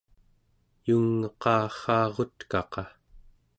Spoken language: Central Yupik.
yung'eqarraarutkaqa